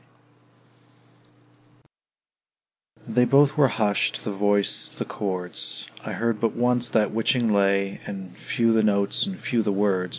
They both were husht, the voice, the chords, I heard but once that witching lay; And few the notes, and few the words.